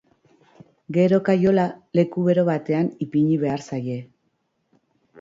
Gero kaiola leku bero batean ipini behar zaie.